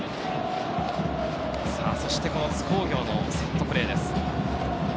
そして、この津工業のセットプレーです。